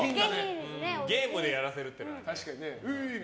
ゲームでやらせるっていうのはね。